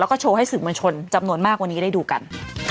แล้วก็โชว์ให้สื่อมวลชนจำนวนมากวันนี้ได้ดูกัน